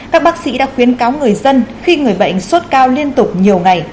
các bác sĩ đã khuyến cáo người dân khi người bệnh sốt cao liên tục nhiều ngày